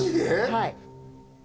はい。